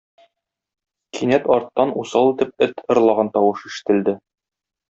Кинәт арттан усал итеп эт ырлаган тавыш ишетелде